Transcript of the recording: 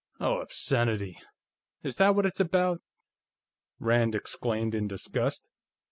"Oh, obscenity! Is that what it's about?" Rand exclaimed in disgust.